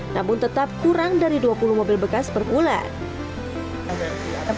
namun tetap kurang dari dua puluh mobil bekas per bulan